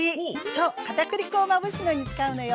そう片栗粉をまぶすのに使うのよ。